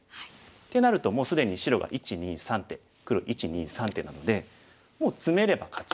ってなるともう既に白が１２３手黒１２３手なのでもうツメれば勝ち。